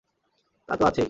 তা তো আছেই।